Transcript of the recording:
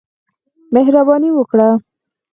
مهرباني وکړه !